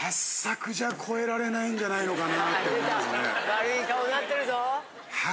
悪い顔になってるぞ！